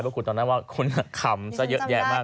เพราะคุณต้องได้ว่าคุณคำซะเยอะแยะมาก